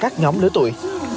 các nhóm lứa tuổi